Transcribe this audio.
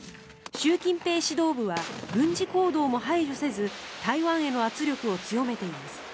習近平指導部は軍事行動も排除せず台湾への圧力を強めています。